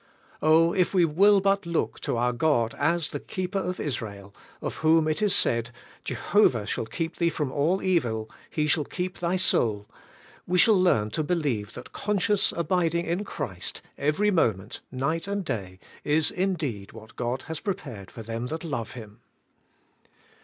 '' Oh, if we will but look to our God as the Keeper of Israel, of whom it is said, *Jehovah shall keep thee from all evil; He shall keep thy soul,' we shall learn to be lieve that conscious abiding in Christ every moment, night and day, is indeed what God has prepared for them that love Him.